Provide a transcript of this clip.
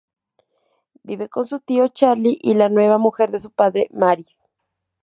Vive con su tío Charly y la nueva mujer de su padre, Mary.